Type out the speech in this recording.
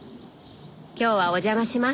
今日はお邪魔します。